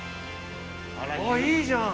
あっいいじゃん。